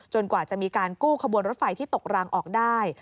กว่าจะมีการกู้ขบวนรถไฟที่ตกรางออกได้